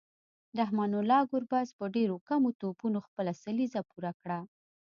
رحمان الله ګربز په ډیرو کمو توپونو خپله سلیزه پوره کړه